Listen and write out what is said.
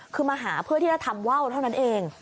คือมาหาเพื่อที่จะทำว่าวเท่านั้นเอง